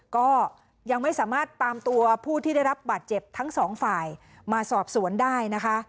ก็ยังไม่สามารถตามตัวผู้ที่ได้รับบาดเจ็บทั้งสองฝ่ายมาสอบสวนได้นะคะ